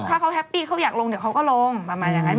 ถ้าเขาแฮปปี้เขาอยากลงเดี๋ยวเขาก็ลงประมาณอย่างนั้น